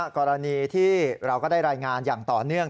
กรณีที่เราก็ได้รายงานอย่างต่อเนื่อง